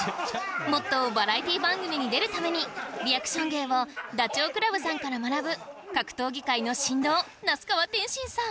もっとバラエティー番組に出るためにリアクション芸をダチョウ倶楽部さんから学ぶ格闘技界の神童那須川天心さん